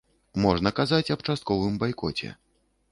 Можна казаць аб частковым байкоце.